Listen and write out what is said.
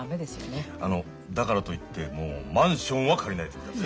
あのだからといってもうマンションは借りないでください。